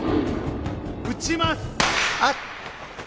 撃ちます